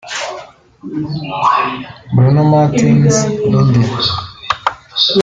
Bruno Martins Indi